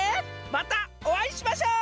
またおあいしましょう！